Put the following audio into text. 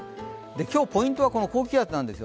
今日ポイントは高気圧なんですよ。